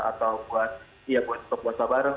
atau buat ya buat buka puasa bareng